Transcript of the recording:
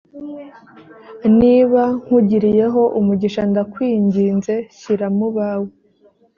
niba nkugiriyeho umugisha ndakwinginze shyira mu bawe